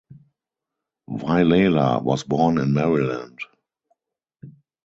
Vilela was born in Maryland.